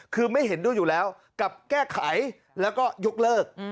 คือไม่เห็นด้วยอยู่แล้วกับแก้ไขแล้วก็ยกเลิก